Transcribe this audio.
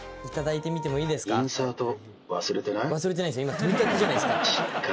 今撮りたてじゃないですか。